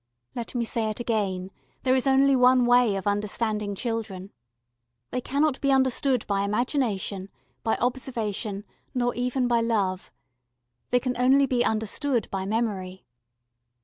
Let me say it again: there is only one way of understanding children; they cannot be understood by imagination, by observation, nor even by love. They can only be understood by memory.